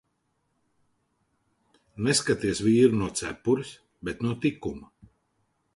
Neskaities vīru no cepures, bet no tikuma.